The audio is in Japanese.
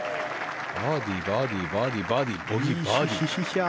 バーディー、バーディーバーディー、バーディーボギー、バーディー。